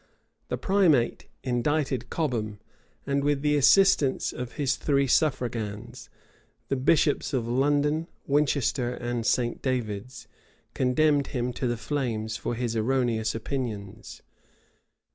The primate indicted Cobham, and with the assistance of his three suffragans, the bishops of London, Winchester, and St. David's, condemned him to the flames for his erroneous opinions.